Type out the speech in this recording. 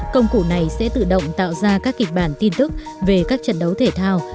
công cụ này sẽ tự động tạo ra các kịch bản tin tức về các trận đấu thể thao